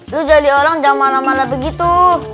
lu jadi orang jam malam mana begitu